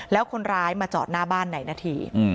แล้วคนร้ายมาจอดหน้าบ้านในนาที